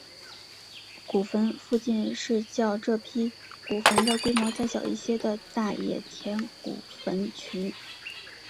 古坟附近是较这批古坟的规模再小一些的大野田古坟群。